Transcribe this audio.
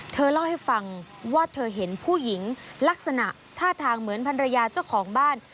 เธอเล่าให้ฟังว่าเธอเห็นผู้หญิงลักษณะท่าทางเหมือนพันรยาเจ้าของบ้าน